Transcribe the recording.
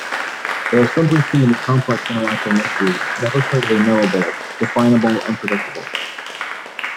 There are simply too many complex interacting issues, never totally knowable, definable and predictable.